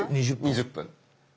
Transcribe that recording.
２０分。